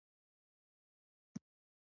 په لويديځي نړۍ کي د يرغل په وړاندي غبرګونونه